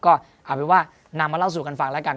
ก็เอาเป็นว่านำมาเล่าสู่กันฟังแล้วกัน